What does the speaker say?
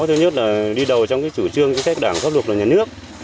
thứ nhất là đi đầu trong cái chủ trương chính sách đảng pháp luật là nhà nước